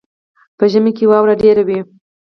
په ژمي کې واوره ډیره وي.